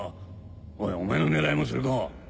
おいお前の狙いもそれか？